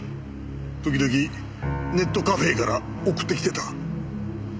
時々ネットカフェから送ってきてた。